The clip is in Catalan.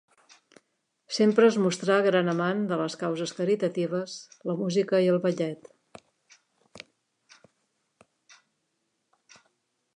Sempre es mostrà gran amant de les causes caritatives, la música i el ballet.